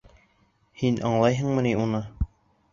Һин аңлайһыңмы ни уны?!